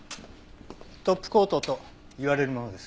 トップコートと言われるものです。